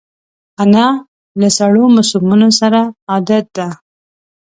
انا له سړو موسمونو سره عادت ده